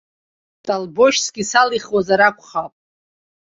Толбашьсгьы салихуазар акәхап.